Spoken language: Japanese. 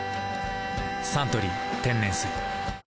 「サントリー天然水」